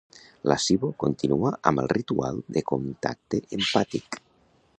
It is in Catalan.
La Sybo continua amb el ritual de contacte empàtic.